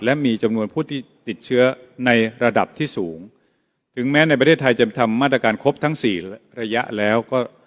และมีจำนวนผู้ที่ติดเชื้อในระดับที่สูงถึงแม้ในประเทศไทยจะทำมาตรการครบทั้งสี่ระยะแล้วก็